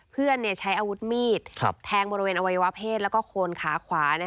ใช้อาวุธมีดแทงบริเวณอวัยวะเพศแล้วก็โคนขาขวา